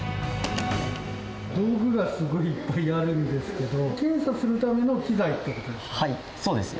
道具がすごいいっぱいあるんですけど、検査するための機材ってことですか？